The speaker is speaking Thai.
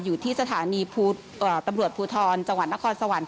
อยู่ที่สถานีตำรวจภูทรจังหวัดนครสวรรค์